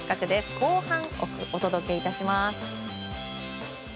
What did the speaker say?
後半をお届けいたします。